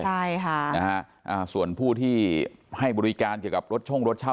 ใช่ค่ะนะฮะส่วนผู้ที่ให้บริการเกี่ยวกับรถช่องรถเช่า